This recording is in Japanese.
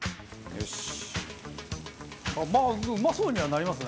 よし。